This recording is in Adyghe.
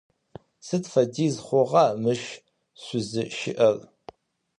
Сыд фэдиз хъугъа мыщ шъузыщыӏэр?